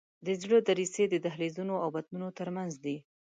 د زړه دریڅې د دهلیزونو او بطنونو تر منځ دي.